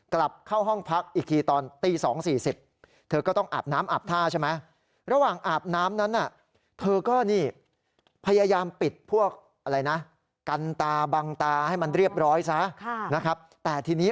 กลับเข้าห้องพักอีกครีย์ตอนตี๒๔๐น